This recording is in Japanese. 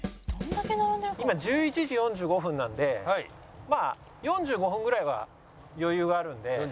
今１１時４５分なんでまあ４５分ぐらいは余裕があるんで。